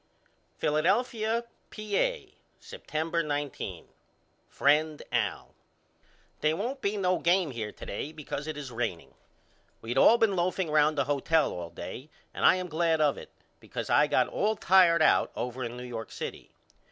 Philadelphia, Pa., September 19. FRIEND AL: They won't be no game here to day because it is raining. We all been loafing round the hotel all day and I am glad of it because I got all tired out over in New York City.